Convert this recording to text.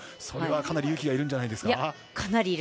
それはかなり勇気がいるんじゃないですか。